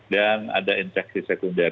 dan ada infeksi sekunder